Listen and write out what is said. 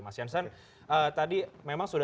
mas jansen tadi memang sudah